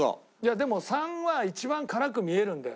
でも３は一番辛く見えるんだよ